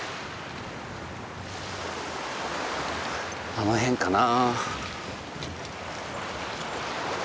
あの辺かな。